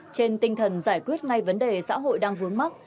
trên tinh thần giải quyết ngay vấn đề xã hội đang vướng mắt